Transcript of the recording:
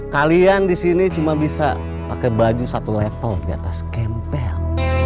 kalian di sini cuma bisa pakai baju satu level di atas kempel